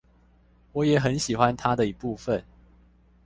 我也很喜歡他的一部分